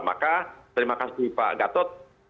maka terima kasih pak gatot